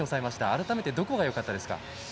改めて、どこがよかったですか？